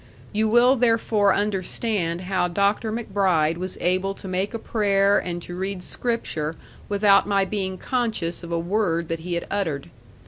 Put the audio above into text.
You will therefore understand how Dr. MacBride was able to make a prayer and to read Scripture without my being conscious of a word that he had uttered.